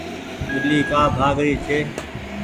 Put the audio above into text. ٻلي ڪآ ڀآگ ري ڇي۔